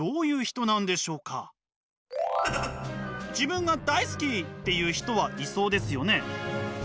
自分が大好き！っていう人はいそうですよね。